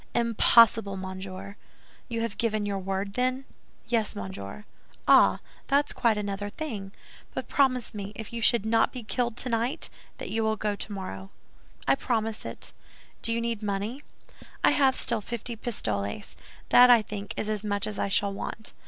"Impossible, monsieur." "You have given your word, then?" "Yes, monsieur." "Ah, that's quite another thing; but promise me, if you should not be killed tonight, that you will go tomorrow." "I promise it." "Do you need money?" "I have still fifty pistoles. That, I think, is as much as I shall want."